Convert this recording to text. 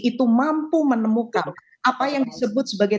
itu mampu menemukan apa yang disebut sebagai